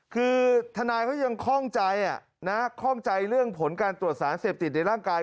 คือทนายเขายังคล่องใจข้องใจเรื่องผลการตรวจสารเสพติดในร่างกาย